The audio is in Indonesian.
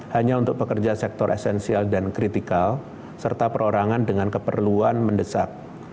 hanya untuk pekerja sektor esensial dan kritikal serta perorangan dengan keperluan mendesak